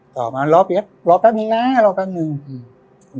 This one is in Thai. ต่อมารอเปลี่ยนรอแป๊บนึงนะรอแป๊บนึงอืม